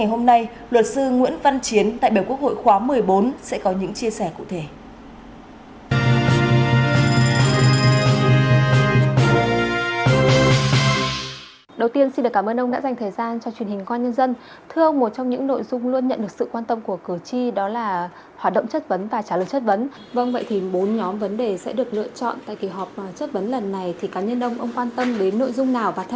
trong vấn đề chính xác ngày hôm nay luật sư nguyễn văn chiến tại bảo quốc hội khóa một mươi bốn sẽ có những chia sẻ cụ thể